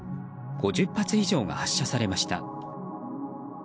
５０発以上が発射されました。